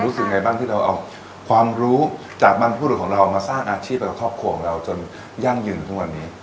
รู้สึกไงบ้างที่เราเอาความรู้จากบรรพบุรุษของเรามาสร้างอาชีพให้กับครอบครัวของเราจนยั่งยืนทุกวันนี้